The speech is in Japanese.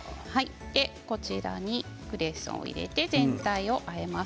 こちらにクレソンを入れて全体をあえます。